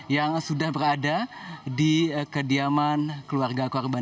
yang sudah berada di kediaman keluarga korban